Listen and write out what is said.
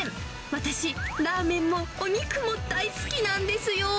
私、ラーメンもお肉も大好きなんですよー。